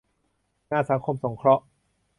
งานสังคมสงเคราะห์